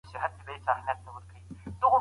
سینوهه خپل یادښتونه له موږ سره شریکوي.